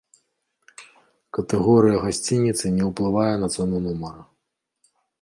Катэгорыя гасцініцы не ўплывае на цану нумара.